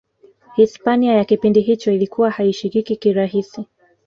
hispania ya kipindi hicho ilikuwa haishikiki kirahisi